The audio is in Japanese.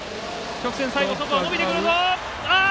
直線、最後、外は伸びてくる。